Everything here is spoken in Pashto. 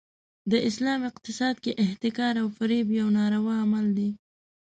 د اسلام اقتصاد کې احتکار او فریب یو ناروا عمل دی.